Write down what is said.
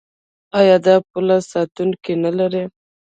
آیا دا پوله ساتونکي نلري؟